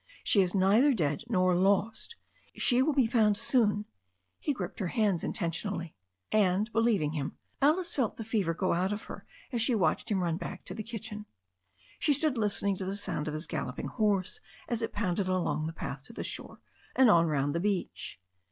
She is neither dead nor lost. She will be found soon." He gripped her hands inten tionally. And, believing him, Alice felt the fever go out of her as she watched him run back to the kitchen. She stood listen ing to the sound of his galloping horse as it pounded along the path to the store, and on round the beach.